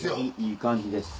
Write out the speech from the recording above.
いい感じです。